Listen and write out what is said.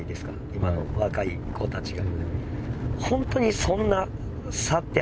今の若い子たちが。